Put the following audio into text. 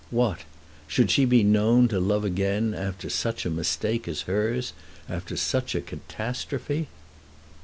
What, should she be known to love again after such a mistake as hers, after such a catastrophe?